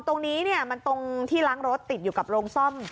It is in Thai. ตรงนี้มันตรงที่ล้างรถติดอยู่กับโรงซ่อม